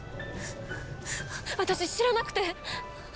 私知らなくて。